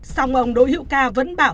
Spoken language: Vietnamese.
xong ông đội hữu ca vẫn bảo